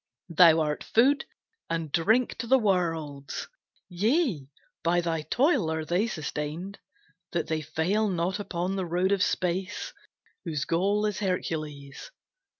Thou art food and drink to the worlds; Yea, by thy toil are they sustained, That they fail not upon the road of space, Whose goal is Hercules.